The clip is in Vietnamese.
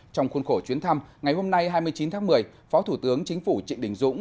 trong khuôn khổ chuyến thăm ngày hôm nay hai mươi chín tháng một mươi phó thủ tướng chính phủ trịnh đình dũng